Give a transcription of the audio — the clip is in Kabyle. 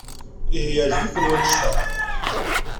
Ihi yeɛjeb-ikent wanect-a?